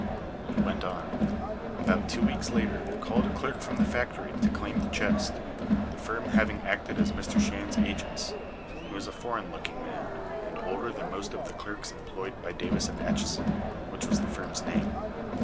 He went on: "About two weeks later there called a clerk from the factory to claim the chest, the firm having acted as Mr. Shand's agents. He was a foreign looking man, and older than most of the clerks employed by Davis and Atchison which was the firm's name.